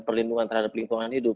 perlindungan terhadap lingkungan hidup